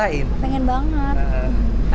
tidak ingin banget